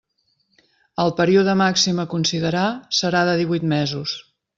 El període màxim a considerar serà de divuit mesos.